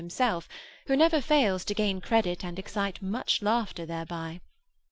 himself, who never fails to gain great credit and excite much laughter thereby.